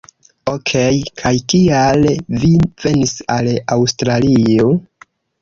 Okej, kaj kial vi venis al Aŭstralio?